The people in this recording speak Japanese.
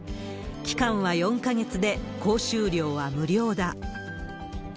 期間は４か月で、講習料は無料だ。